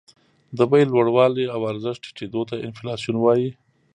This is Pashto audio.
د بیې لوړوالي او ارزښت ټیټېدو ته انفلاسیون وايي